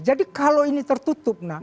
jadi kalau ini tertutup